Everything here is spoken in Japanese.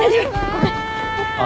ごめん。